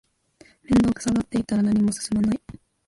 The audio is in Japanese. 面倒くさがってたら何も進まない